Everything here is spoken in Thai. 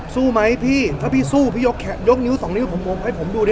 สู้ไหมพี่ถ้าพี่สู้พี่ยกนิ้วสองนิ้วผมให้ผมดูดิ